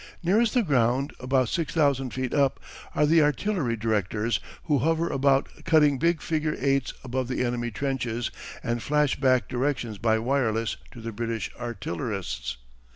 Nearest the ground, about six thousand feet up, are the artillery directors who hover about cutting big figure eights above the enemy trenches and flash back directions by wireless to the British artillerists.